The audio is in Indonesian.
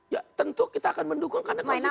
ya tentu kita akan mendukung karena konstitusi